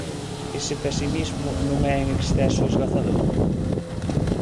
Ese pesimismo non é en exceso esgazador?